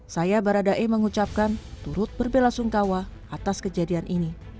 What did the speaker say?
saya baradae mengucapkan turut berbela sungkawa atas kejadian ini